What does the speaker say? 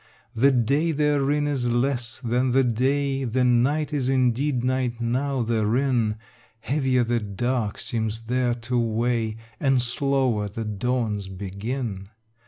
The day therein is less than the day, The night is indeed night now therein: Heavier the dark seems there to weigh, And slower the dawns begin.